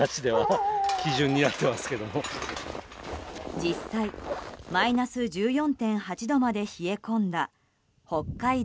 実際、マイナス１４．８度まで冷え込んだ北海道